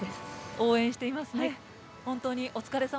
応援していますね。